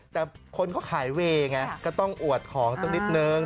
แต่คนเขาขายเวย์ไงก็ต้องอวดของสักนิดนึง